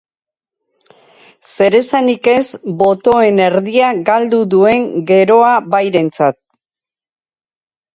Zeresanik ez botoen erdia galdu duen Geroa Bairentzat.